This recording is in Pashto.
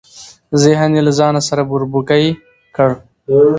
ذهن یې له ځانه سره بوړبوکۍ کړ.